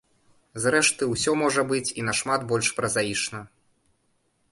Зрэшты, усё можа быць і нашмат больш празаічна.